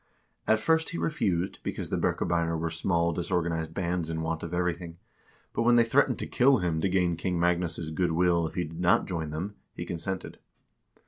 At first he refused, because the Birkebeiner were small disorganized bands in want of everything, but when they threatened to kill him to gain King Magnus' good will if he did not join them, he consented.